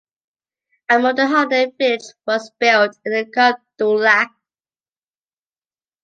A modern holiday village was built in the Combe du Lac.